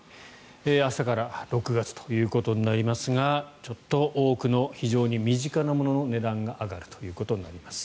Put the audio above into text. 明日から６月ということになりますが多くの非常に身近なものの値段が上がるということになります。